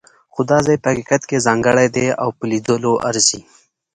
خو دا ځای په حقیقت کې ځانګړی دی او په لیدلو ارزي.